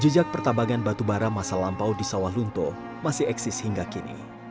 jejak pertambangan batubara masa lampau di sawah lunto masih eksis hingga kini